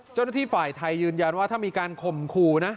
เจ้าหน้าที่ฝ่ายไทยยืนยันว่าถ้ามีการข่มขู่นะ